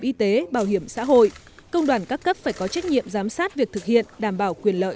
y tế bảo hiểm xã hội công đoàn các cấp phải có trách nhiệm giám sát việc thực hiện đảm bảo quyền lợi